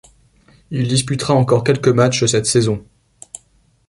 Il disputera encore quelques matchs cette saison.